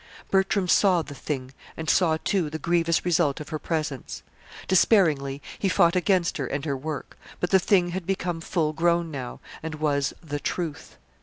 Bertram saw The Thing, and saw, too, the grievous result of her presence. Despairingly he fought against her and her work; but The Thing had become full grown now, and was The Truth.